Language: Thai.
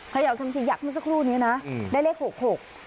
เขย่าเซียมซียักษ์มาสักครู่นี้นะได้เลข๖๖